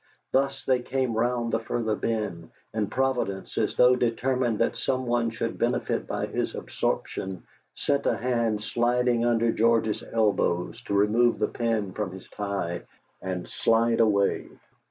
Thus they came round the further bend. And Providence, as though determined that someone should benefit by his absorption, sent a hand sliding under George's elbows, to remove the pin from his tie and slide away.